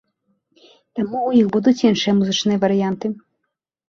Таму ў іх будуць і іншыя музычныя варыянты.